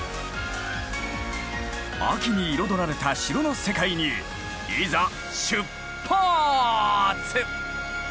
秋に彩られた城の世界にいざ出発！